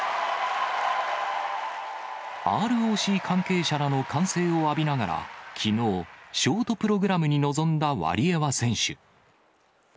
ＲＯＣ関係者らの歓声を浴びながら、きのう、ショートプログラムに臨んだワリエワ選手。